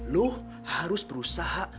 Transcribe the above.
lo harus berusaha